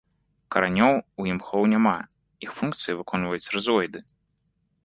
Каранёў у імхоў няма, іх функцыі выконваюць рызоіды.